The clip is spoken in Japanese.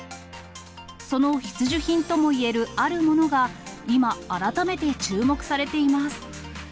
その必需品ともいえるあるものが、今、改めて注目されています。